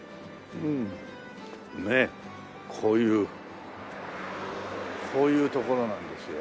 ねっこういうこういう所なんですよ。